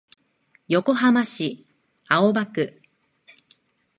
横浜市青葉区